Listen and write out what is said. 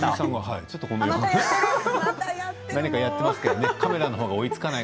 何かやってますけどカメラのほうが追いつかない。